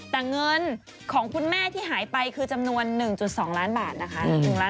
แต่เงินของคุณแม่ที่หายไปคือจำนวน๑๒ล้านบาทนะคะ